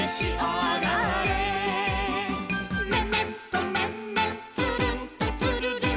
「めめんとめんめんつるんとつるるん」